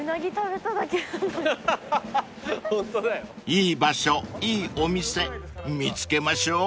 ［いい場所いいお店見つけましょう］